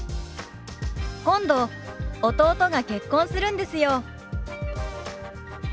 「今度弟が結婚するんですよ」。